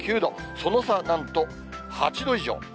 その差はなんと８度以上。